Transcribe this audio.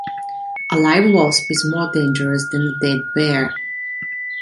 A live wasp is more dangerous than a dead bear.